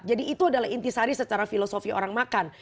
jadi itu adalah inti sari secara filosofi orang makan